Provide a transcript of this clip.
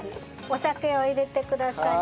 お酒を入れてください。